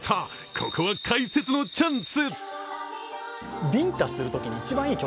ここは解説のチャンス！